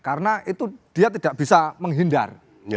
karena itu dia tidak bisa menghindar